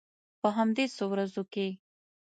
په همدې څو ورځو کې.